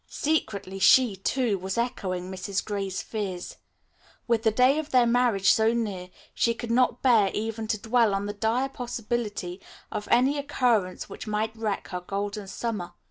Secretly she, too, was echoing Mrs. Gray's fears. With the day of their marriage so near, she could not bear even to dwell on the dire possibility of any occurrence which might wreck her Golden Summer.